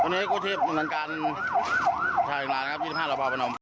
นะฮะ